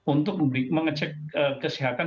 untuk mengecek kesehatan